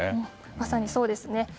まさにそうですね。